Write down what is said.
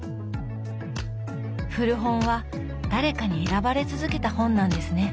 古本は誰かに選ばれ続けた本なんですね。